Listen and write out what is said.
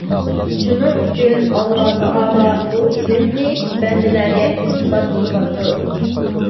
شۇنىڭ ئۈچۈن ئاللاتائالا بۇ ئىلىمنى بەندىلەرگە ئىلتىپات قىلغاندۇر.